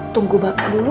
tunggu bakar dulu